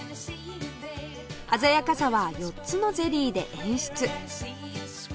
鮮やかさは４つのゼリーで演出